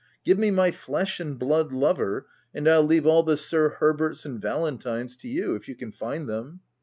give me my flesh and blood lover, and Til leave all the Sir Herberts and Valentines to you — if you can find them."